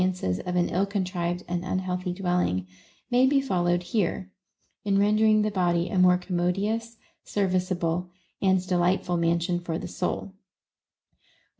425 ances of an ill contrived and unhealthy dwelling• may be followed here, in rendering the body a more commodious, serviceable, and delightful mansion for the soul.